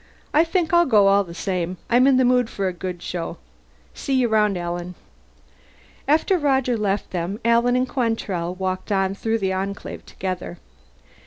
"I think I'll go all the same. I'm in the mood for a good show. See you around, Alan." After Roger left them, Alan and Quantrell walked on through the Enclave together.